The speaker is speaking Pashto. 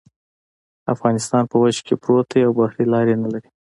افغانستان په وچه کې پروت دی او بحري لارې نلري